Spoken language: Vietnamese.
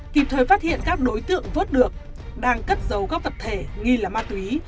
kịp thời phát hiện các đối tượng vớt được đang cất giấu các vật thể nghi là ma túy